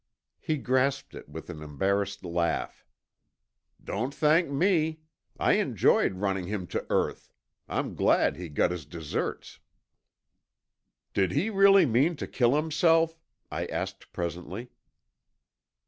He grasped it with an embarrassed laugh. "Don't thank me. I enjoyed running him to earth. I'm glad he got his deserts." "Did he really mean to kill himself?" I asked presently.